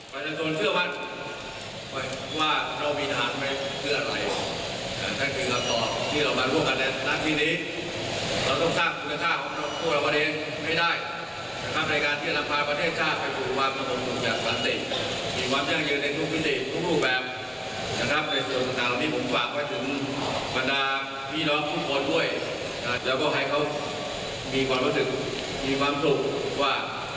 พลเรือตรีอาภากรอยู่คมแก้วและเสริมสร้างความมั่นคงแห่งชาตินะคะ